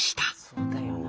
そうだよなあ。